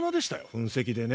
噴石でね。